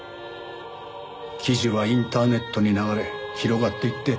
記事はインターネットに流れ広がっていって。